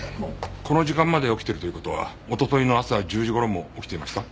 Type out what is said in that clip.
この時間まで起きてるという事は一昨日の朝１０時頃も起きていました？